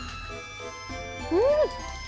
うん！